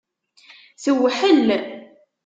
Tewḥel.